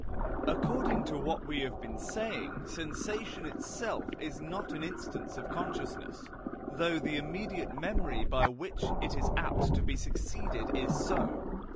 According to what we have been saying, sensation itself is not an instance of consciousness, though the immediate memory by which it is apt to be succeeded is so.